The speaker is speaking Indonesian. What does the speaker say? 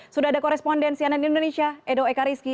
sudah ada korespondensi aneh di indonesia edo ekariski